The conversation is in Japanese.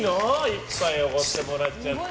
１杯おごってもらっちゃって。